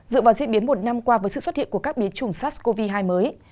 dựa vào diễn biến một năm qua với sự xuất hiện của các biến chủng sars cov hai mới